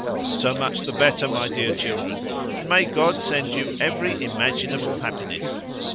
So much the better, my dear children, and may God send you every imaginable happiness!